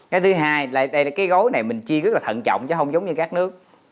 cái thứ hai là cái gói này mình chi rất là thận trọng chứ không giống như các nước